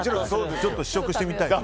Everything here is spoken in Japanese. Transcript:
ちょっと試食してみたいです